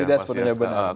tidak sepenuhnya benar